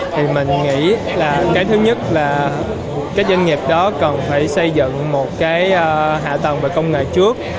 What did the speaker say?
thì mình nghĩ là thứ nhất là doanh nghiệp đó cần phải xây dựng một hạ tầng về công nghệ trước